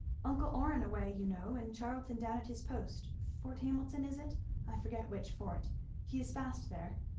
"Uncle Orrin away, you know; and Charlton down at his post Fort Hamilton, is it? I forget which fort he is fast there."